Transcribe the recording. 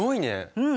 うん。